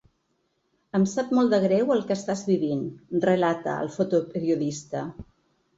Em sap molt de greu el que estàs vivint, relata el fotoperiodista.